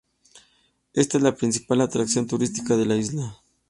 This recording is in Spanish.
Esta es la principal atracción turística de la isla.